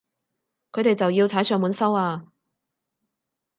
佢哋就要踩上門收啊